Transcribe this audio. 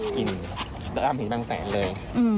กลิ่นตามถึงบางแสนเลย